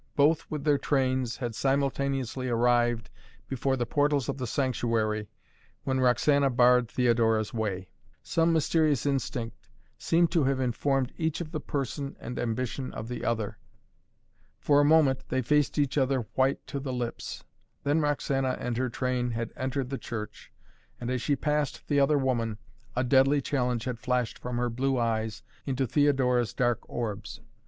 Both, with their trains, had simultaneously arrived before the portals of the sanctuary when Roxana barred Theodora's way. Some mysterious instinct seemed to have informed each of the person and ambition of the other. For a moment they faced each other white to the lips. Then Roxana and her train had entered the church, and as she passed the other woman, a deadly challenge had flashed from her blue eyes into Theodora's dark orbs.